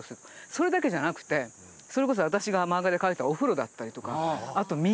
それだけじゃなくてそれこそ私が漫画で描いたお風呂だったりとかあと道。